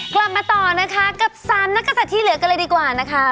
กลับมาต่อนะคะกับ๓นักศัตริย์ที่เหลือกันเลยดีกว่านะคะ